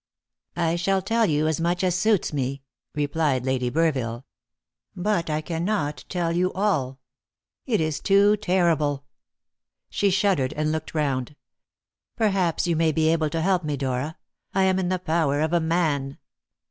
"I shall tell you as much as suits me," replied Lady Burville, "but I cannot tell you all. It is too terrible!" She shuddered, and looked round. "Perhaps you may be able to help me, Dora; I am in the power of a man."